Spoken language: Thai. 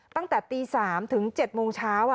ตั้งแต่ตี๓ถึง๗โมงเช้า